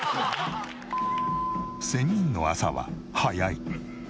仙人の朝は早い。